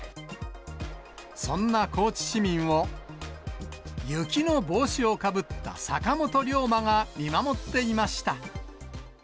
そんな高知市民を、雪の帽子をかぶった坂本龍馬が見守っていました。